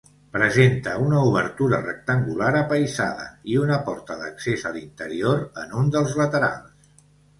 Presenta una obertura rectangular apaïsada i una porta d'accés a l'interior en un dels laterals.